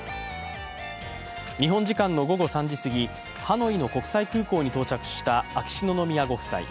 日本時間の午後３時すぎ、ハノイの国際空港に到着した秋篠宮ご夫妻。